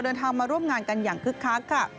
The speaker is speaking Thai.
เดินทางมาร่วมงานกันอย่างคึกคักค่ะ